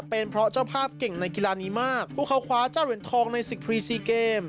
เป็นเพราะเจ้าภาพเก่งในกีฬานี้มากพวกเขาคว้าเจ้าเหรียญทองในศึกพรีซีเกม